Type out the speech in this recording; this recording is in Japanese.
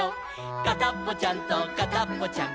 「かたっぽちゃんとかたっぽちゃん